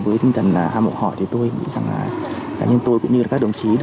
tuy nhiên với tinh thần am mộ họ thì tôi nghĩ rằng cá nhân tôi cũng như các đồng chí